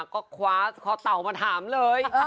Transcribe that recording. ก็คว้าคอเต่ามาถามเลย